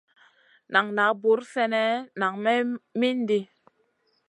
Nan na buur sènè nang may mindi.